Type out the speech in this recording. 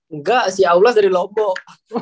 engga si aulas dari lombok